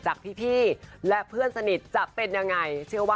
แห่งโจทย์